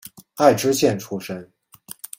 爱知县出身。